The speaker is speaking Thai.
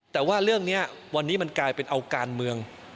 แต่ว่าเรื่องนี้วันนี้มันกลายเป็นเอาการเมือง